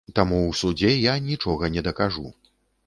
Таму ў судзе я нічога не дакажу.